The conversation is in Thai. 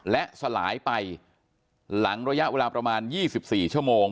และสลายไปหลังระยะเวลาประมาณ๒๔ชั่วโมง